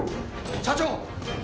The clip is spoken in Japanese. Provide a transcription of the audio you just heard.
社長！